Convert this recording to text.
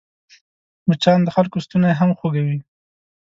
مچان د خلکو ستونی هم خوږوي